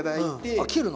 あっ切るの？